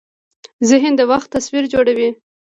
ذهن د وخت تصور جوړوي.